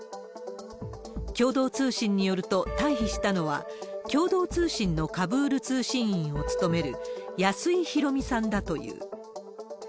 共同通信によると、退避したのは、共同通信のカブール通信員を務める安井浩美さんだという。